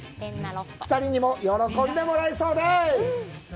２人にも喜んでもらえそうです！